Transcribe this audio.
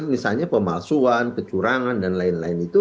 misalnya pemalsuan kecurangan